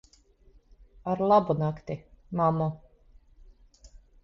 Ar labu nakti, mammu.